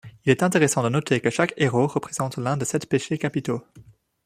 Il est intéressant de noter que chaque héros représente l'un des sept péchés capitaux.